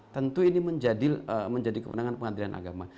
tentu ini menjadi kemenangan pengadilan agama